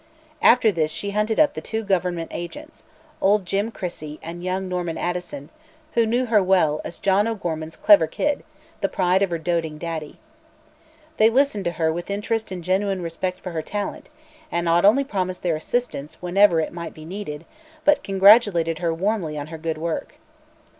After this she hunted up the two government agents old Jim Crissey and young Norman Addison who knew her well as "John O'Gorman's clever kid, the pride of her doting Daddy." They listened to her with interest and genuine respect for her talent and not only promised their assistance whenever it might be needed but congratulated her warmly on her good work.